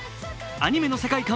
アニメの世界観